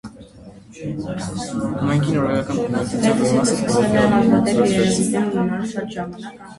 Համայնքի նորվեգական բնակչության մի մասը բողոքի ալիք բարձրացրեց։